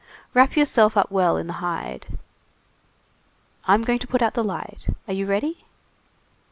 Wrap yourself up well in the hide! I'm going to put out the light. Are you ready?"